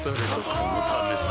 このためさ